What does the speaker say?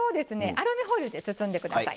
アルミホイルで包んで下さい。